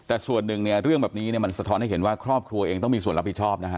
แต่ส่วนหนึ่งเนี่ยเรื่องแบบนี้เนี่ยมันสะท้อนให้เห็นว่าครอบครัวเองต้องมีส่วนรับผิดชอบนะฮะ